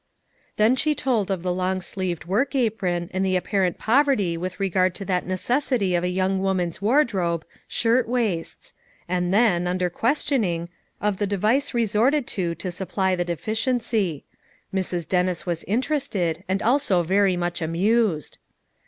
Then she told of the long sleeved work apron and the apparent poverty with regard to that necessity of a young woman's wardrobe, shirt FOUR MOTHERS AT CHAUTAUQUA 163 waists; and then, under questioning, of the de vice resorted to to supply the deficiency. Mrs. Dennis was interested, and also very much amused.